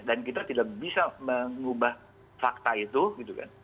dan kita tidak bisa mengubah fakta itu gitu kan